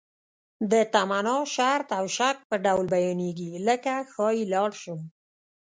د تمنا، شرط او شک په ډول بیانیږي لکه ښایي لاړ شم.